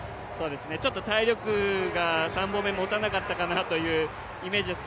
ちょっと体力が３本目、もたなかったかなというイメージです。